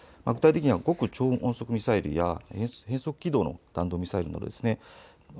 具体的には極超音速ミサイルや変則軌道の弾道ミサイルなどです。